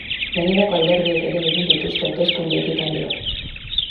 Gainerako alderdiek ere egin dituzte hauteskunde ekitaldiak.